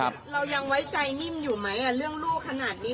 เรายังไว้ใจนิ่มอยู่ไหมเรื่องลูกขนาดนี้